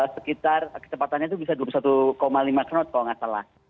sekitar kecepatannya itu bisa dua puluh satu lima knot kalau nggak salah